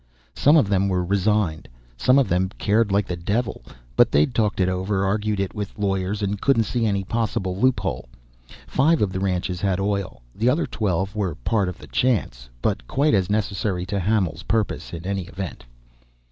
Some of them were resigned some of them cared like the devil, but they'd talked it over, argued it with lawyers and couldn't see any possible loophole. Five of the ranches had oil, the other twelve were part of the chance, but quite as necessary to Hamil's purpose, in any event.